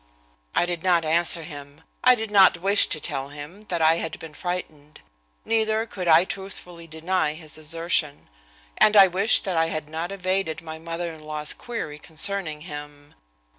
I did not answer him. I did not wish to tell him that I had been frightened; neither could I truthfully deny his assertion. And I wished that I had not evaded my mother in law's query concerning him.